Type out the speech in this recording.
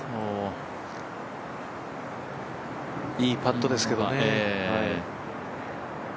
いいパットですけどね。